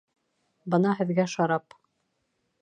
Бына һеҙгә шарап